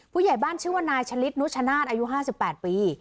ผู้ใหญ่บ้านชื่อว่านายชะลิดนุชชะนาดอายุห้าสิบแปดปี